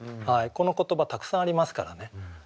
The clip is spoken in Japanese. この言葉たくさんありますからね。